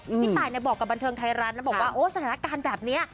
พี่ตายบอกกับบันเทิงไทยรัฐนะบอกว่าโอ้สถานการณ์แบบนี้